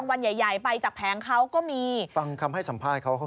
คุณพีชบอกไม่อยากให้เป็นข่าวดังเหมือนหวยโอนละเวง๓๐ใบจริงและก็รับลอตเตอรี่ไปแล้วด้วยนะครับ